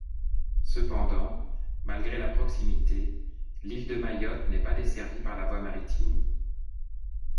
Cependant, malgré la proximité, l'île de Mayotte n'est pas desservie par la voie maritime.